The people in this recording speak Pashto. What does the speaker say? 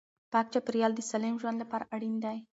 پاک چاپیریال د سالم ژوند لپاره اړین دی.